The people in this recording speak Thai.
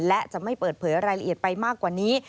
และจะไม่เปิดเผยรายละเอียดไปมากกว่านี้